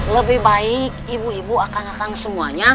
lebih baik ibu ibu akan datang semuanya